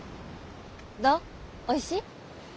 おいしい？